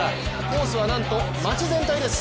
コースはなんと街全体です。